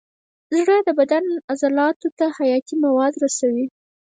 زړه د بدن عضلاتو ته حیاتي مواد رسوي.